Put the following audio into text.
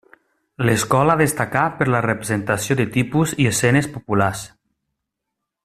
L'escola destacà per la representació de tipus i escenes populars.